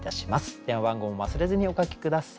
電話番号も忘れずにお書き下さい。